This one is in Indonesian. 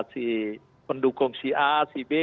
si pendukung si a si b